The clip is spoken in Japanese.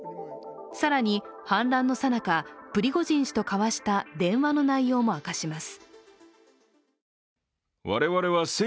更に、反乱のさなか、プリゴジン氏と交わした電話の内容も明かします。